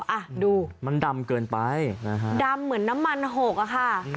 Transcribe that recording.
อ่ะดูมันดำเกินไปนะฮะดำเหมือนน้ำมันหกอะค่ะ